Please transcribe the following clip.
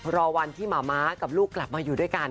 รอวันที่หมาม้ากับลูกกลับมาอยู่ด้วยกัน